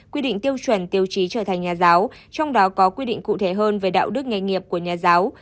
quy định tiêu chuẩn tiêu chí trở thành nhà giáo trong đó có quy định cụ thể hơn về đạo đức nghề nghiệp của nhà giáo